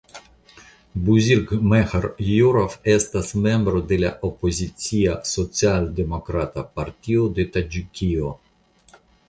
Buzurgmeĥr Jorov estas membro de la opozicia Socialdemokrata Partio de Taĝikio.